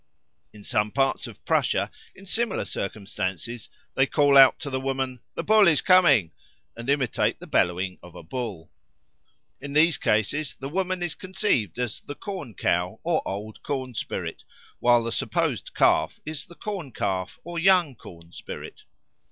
In some parts of Prussia, in similar circumstances, they call out to the woman, "The Bull is coming," and imitate the bellowing of a bull. In these cases the woman is conceived as the Corn cow or old corn spirit, while the supposed calf is the Corn calf or young corn spirit.